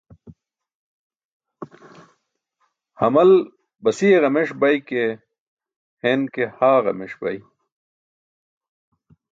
Hamal basiye ġameṣ bay ke, hen ki haa ġameṣ bay.